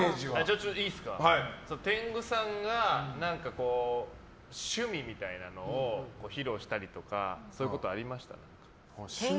天狗さんが何か趣味みたいなものを披露したりとかそういうことありました？